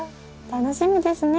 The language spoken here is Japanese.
楽しみですね。